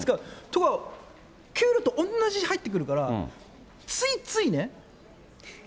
ところが、給料と同じに入ってくるから、ついついね。